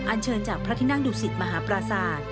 เชิญจากพระที่นั่งดุสิตมหาปราศาสตร์